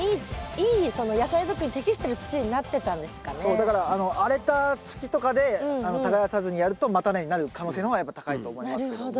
だから荒れた土とかで耕さずにやると叉根になる可能性の方がやっぱ高いと思いますけども。